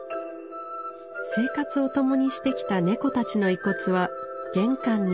生活を共にしてきた猫たちの遺骨は玄関に。